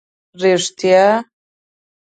رېښتیا؟!